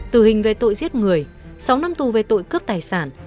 tử hình về tội giết người sáu năm tù về tội cướp tài sản